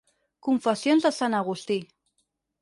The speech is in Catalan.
Confessions de sant Agustí.